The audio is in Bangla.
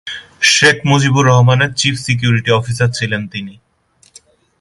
শেখ মুজিবুর রহমানের চীফ সিকিউরিটি অফিসার ছিলেন তিনি।